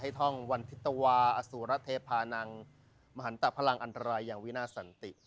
ท่องวันธิตวาอสุรเทพานังมหันตะพลังอันตรายอย่างวินาสันติ